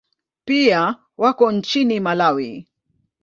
Pia wako nchini Malawi.